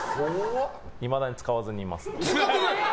いまだに使わずにいます。